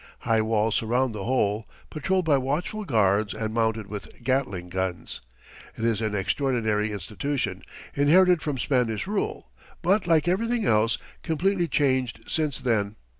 High walls surround the whole, patrolled by watchful guards and mounted with gatling guns. It is an extraordinary institution, inherited from Spanish rule, but, like everything else, completely changed since then.